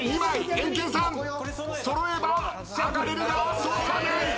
エンケンさん揃えば上がれるが揃わない！